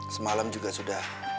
semalam juga sudah